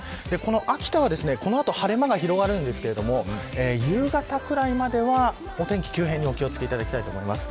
秋田はこの後晴れ間が広がるんですが夕方くらいまでは、お天気急変にお気を付けいただきたいと思います。